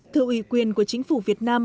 thư ủy quyền của chính phủ việt nam